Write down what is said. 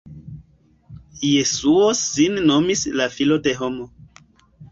Jesuo sin nomis la "filo de homo".